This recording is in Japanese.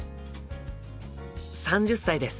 ３０歳です。